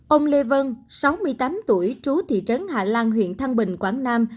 ông lê vân sáu mươi tám tuổi trú thị trấn hà lan huyện thăng bình quảng nam